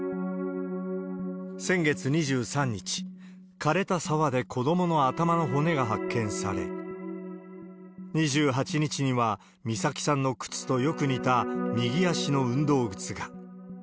先月２３日、枯れた沢で子どもの頭の骨が発見され、２８日には美咲さんの靴とよく似た右足の運動靴が。